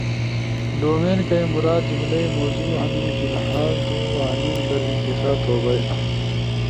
ڈومین کئی مراد جملئی موضوع ہنو، فی الھال تو انیس در انتخاب تھو بئیلا۔